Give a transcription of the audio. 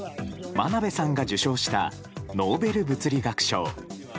真鍋さんが受賞したノーベル物理学賞。